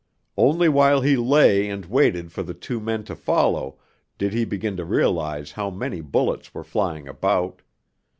Only while he lay and waited for the two men to follow did he begin to realize how many bullets were flying about.